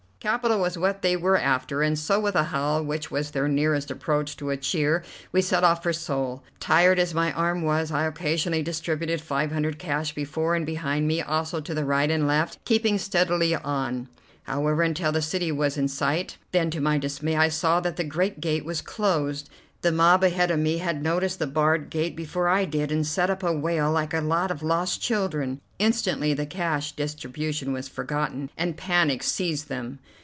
Capital was what they were after, and so with a howl, which was their nearest approach to a cheer, we set off for Seoul. Tired as my arm was, I occasionally distributed five hundred cash before and behind me, also to the right and left, keeping steadily on, however, until the city was in sight. Then to my dismay, I saw that the great gate was closed. The mob ahead of me had noticed the barred gate before I did, and set up a wail like a lot of lost children. Instantly the cash distribution was forgotten, and panic seized them.